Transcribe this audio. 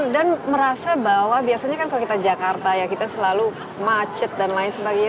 merasa bahwa biasanya kan kalau kita jakarta ya kita selalu macet dan lain sebagainya